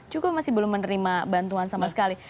juga masih belum menerima bantuan sama sekali